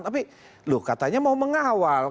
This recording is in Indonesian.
tapi loh katanya mau mengawal